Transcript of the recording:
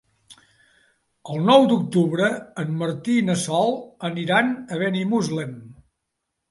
El nou d'octubre en Martí i na Sol aniran a Benimuslem.